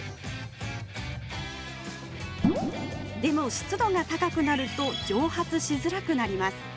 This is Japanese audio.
湿度が高くなると蒸発しづらくなります。